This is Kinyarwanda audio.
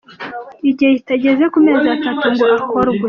igihe kitageze ku mezi atatu ngo akorwe !